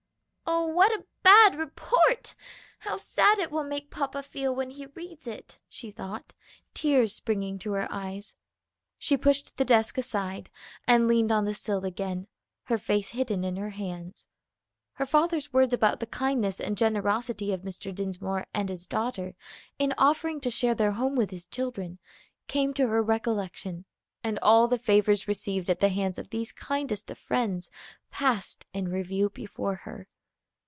"Oh, what a bad report! How sad it will make papa feel when he reads it!" she thought, tears springing to her eyes. She pushed the desk aside and leaned on the sill again, her face hidden in her hands. Her father's words about the kindness and generosity of Mr. Dinsmore and his daughter in offering to share their home with his children, came to her recollection, and all the favors received at the hands of these kindest of friends passed in review before her.